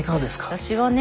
私はね